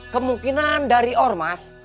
kemungkinan dari ormas